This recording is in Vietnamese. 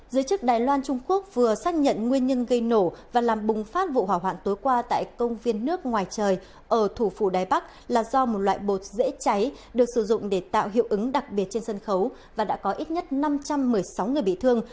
giới chức đài loan trung quốc vừa xác nhận nguyên nhân gây nổ và làm bùng phát vụ hỏa hoạn tối qua tại công viên nước ngoài trời ở thủ phủ đài bắc là do một loại bột dễ cháy được sử dụng để tạo hiệu ứng đặc biệt trên sân khấu và đã có ít nhất năm trăm một mươi sáu người bị thương